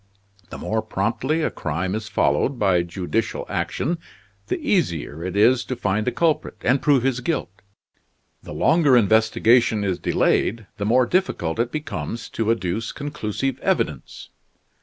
The more promptly a crime is followed by judicial action the easier it is to find the culprit, and prove his guilt. The longer investigation is delayed the more difficult it becomes to adduce conclusive evidence.